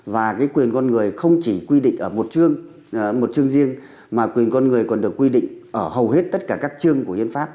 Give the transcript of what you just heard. và quyền con người không chỉ quy định ở một chương riêng mà quyền con người còn được quy định ở hầu hết tất cả các chương của hiến pháp